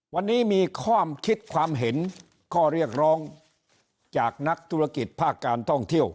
วันนี้มีความคิดความเห็นข้อเรียกร้องจากนักธุรกิจภาคการท่องเที่ยว